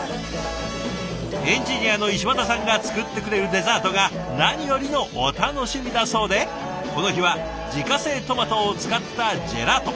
エンジニアの石綿さんが作ってくれるデザートが何よりのお楽しみだそうでこの日は自家製トマトを使ったジェラート。